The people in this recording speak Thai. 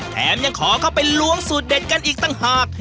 แถมยังขอเข้าไปล้วงสูตรเด็ดกันอีกต่างหาก